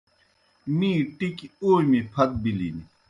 می ٹِکیْ اومیْ پھت بِلِن۔